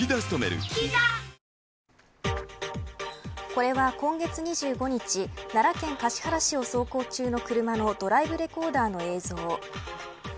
これは今月２５日奈良県橿原市を走行中の車のドライブレコーダーの映像。